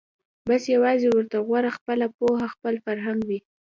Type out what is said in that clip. بس یوازي ورته غوره خپله پوهه خپل فرهنګ وي